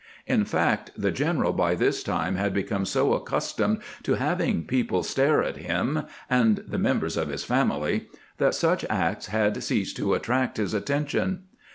In fact, the general by this time had be come so accustomed to having people stare at him and the members of his family that such acts had ceased to attract his attention.